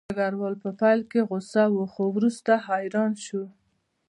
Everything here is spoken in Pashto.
ډګروال په پیل کې غوسه و خو وروسته حیران شو